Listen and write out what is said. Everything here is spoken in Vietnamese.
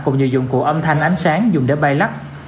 cùng nhiều dụng cụ âm thanh ánh sáng dùng để bay lắc